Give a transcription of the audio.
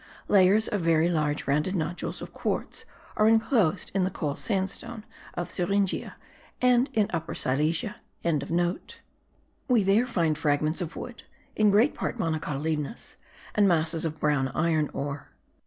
Layers of very large rounded nodules of quartz are inclosed in the coal sandstone of Thuringia, and in Upper Silesia.) We there find fragments of wood, in great part monocotyledonous, and masses of brown iron ore.